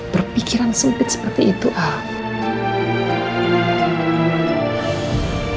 berpikiran sempit seperti itu ah